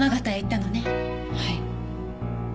はい。